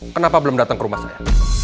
kenapa belum datang ke rumah saya